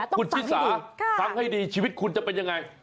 คุณชิสาทำให้ดีชีวิตคุณจะเป็นยังไง